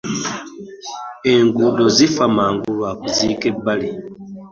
Enguudo zifa mangu lwa kuzika ebbali.